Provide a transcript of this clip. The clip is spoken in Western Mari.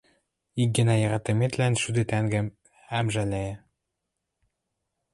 Ик гӓнӓ яратыметлӓн шӱдӹ тӓнгӓм ам ӹжӓлӓйӹ!